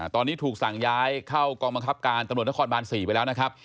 ตอนนี้ถูกสั่งย้ายเข้ากองบังคับการตำรวจนครบาน๔ไปแล้วนะครับ